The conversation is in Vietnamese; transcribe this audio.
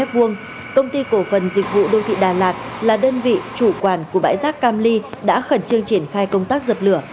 công ty cổ phần dịch vụ đô thị đà lạt là đơn vị chủ quản của bãi rác cam ly đã khẩn trương triển khai công tác dập lửa